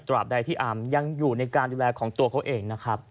ตราบใดที่อามยังอยู่ในการดูแลของตัวเขาเอง